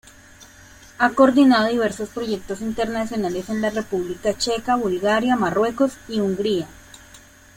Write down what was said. Ha coordinado diversos proyectos internacionales en la República Checa, Bulgaria, Marruecos y Hungría.